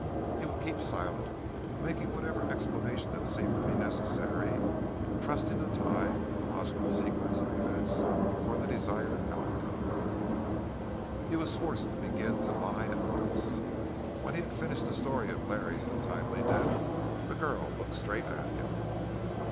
He would keep silent, making whatever explanations that seemed to be necessary, trusting to time and the logical sequence of events for the desired outcome. He was forced to begin to lie at once. When he had finished the story of Larry's untimely death, the girl looked straight at him.